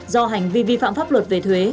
do hành vi vi phạm pháp luật về thuế